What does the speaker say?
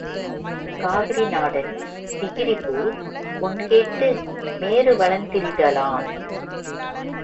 காவிரி நாடன் திகிரிபோல் பொன்கோட்டு மேரு வலந்திரித லான்.